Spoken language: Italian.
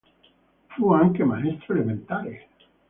Fu anche maestro elementare.